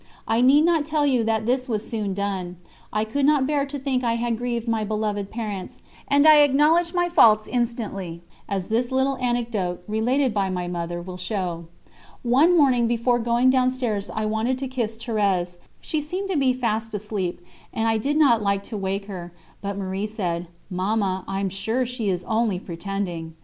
I need not tell you that this was soon done. I could not bear to think I had grieved my beloved parents, and I acknowledged my faults instantly, as this little anecdote, related by my Mother, will show: "One morning before going downstairs I wanted to kiss Thérèse; she seemed to be fast asleep, and I did not like to wake her, but Marie said: 'Mamma, I am sure she is only pretending.'